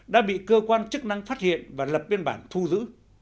đã bị cơ quan chức năng phát hiện và lập biên bản thu giữ